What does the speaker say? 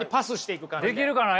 できるかな